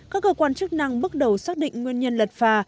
các cơ quan chức năng bước đầu xác định nguyên nhân lật phà